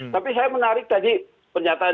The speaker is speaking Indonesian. tapi saya menarik tadi pernyataan